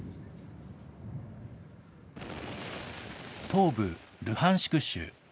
東部ルハンシク州。